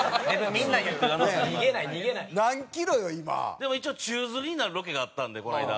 でも一応宙吊りになるロケがあったんでこの間。